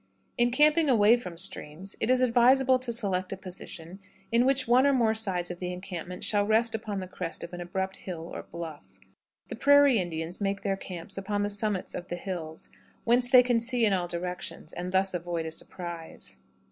In camping away from streams, it is advisable to select a position in which one or more sides of the encampment shall rest upon the crest of an abrupt hill or bluff. The prairie Indians make their camps upon the summits of the hills, whence they can see in all directions, and thus avoid a surprise.